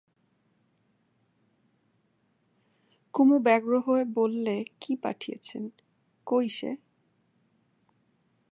কুমু ব্যগ্র হয়ে বললে, কী পাঠিয়েছেন, কই সে?